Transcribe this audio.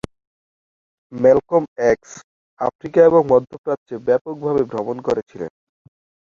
Malcolm X Africa এবং মধ্যপ্রাচ্যে ব্যাপকভাবে ভ্রমণ করে ছিলেন।